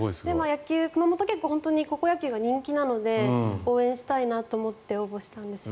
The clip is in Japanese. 野球、熊本は高校野球が人気なので応募したいなと思って応募したんです。